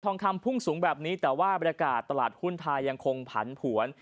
องคำพุ่งสูงแบบนี้แต่ว่าบรรยากาศตลาดหุ้นไทยยังคงผันผวน